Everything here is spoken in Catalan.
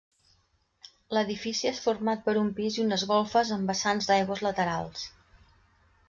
L'edifici és format per un pis i unes golfes amb vessants d'aigües laterals.